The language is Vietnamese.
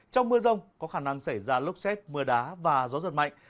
trong mưa rông có khả năng xảy ra lốc xét mưa đá và gió giật mạnh